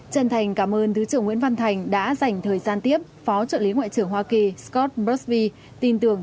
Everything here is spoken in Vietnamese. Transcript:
chân thành cảm ơn thứ trưởng nguyễn văn thành đã dành thời gian tiếp phó trợ lý ngoại trưởng hoa kỳ scott bursv tin tưởng